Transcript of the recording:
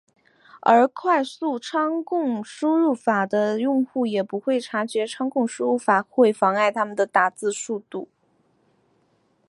而快速仓颉输入法的用户也不会察觉仓颉输入法会妨碍他的打字速度。